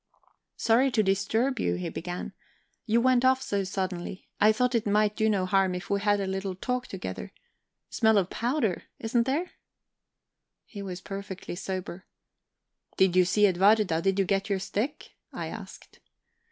"Sorry to disturb you," he began. "You went off so suddenly, I thought it might do no harm if we had a little talk together. Smell of powder, isn't there...?" He was perfectly sober. "Did you see Edwarda? Did you get your stick?" I asked.